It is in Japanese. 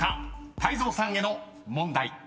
［泰造さんへの問題］